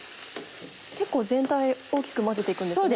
結構全体大きく混ぜて行くんですね。